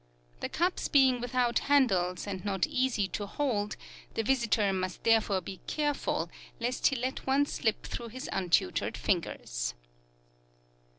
The cups being without handles, and not easy to hold, the visitor must therefore be careful lest he let one slip through his untutored fingers.